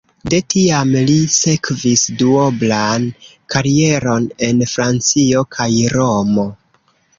De tiam li sekvis duoblan karieron en Francio kaj Romo.